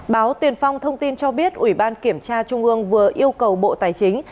báo tiền phong thông tin cho biết ủy ban kiểm tra trung ương vừa yêu cầu bộ tài chính